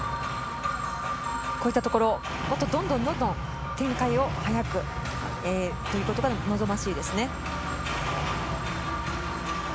こういったところ、どんどん展開を早くということが望ましいです。